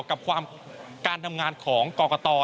กับการทำงานของกรกต